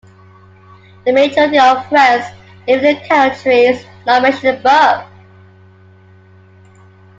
The majority of Friends live in countries not mentioned above.